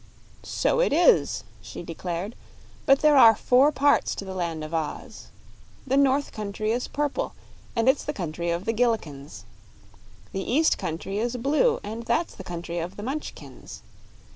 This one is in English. "So it is," she declared; "but there are four parts to the Land of Oz. The North Country is purple, and it's the Country of the Gillikins. The East Country is blue, and that's the Country of the Munchkins.